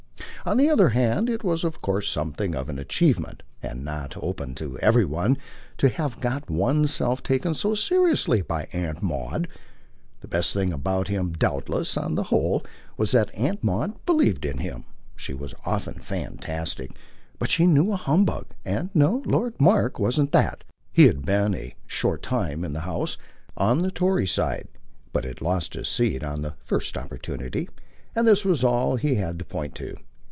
On the other hand it was of course something of an achievement, and not open to every one, to have got one's self taken so seriously by Aunt Maud. The best thing about him doubtless, on the whole, was that Aunt Maud believed in him. She was often fantastic, but she knew a humbug, and no, Lord Mark wasn't that. He had been a short time in the House, on the Tory side, but had lost his seat on the first opportunity, and this was all he had to point to.